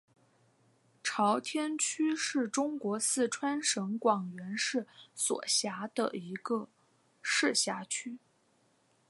朝天区是中国四川省广元市所辖的一个市辖区。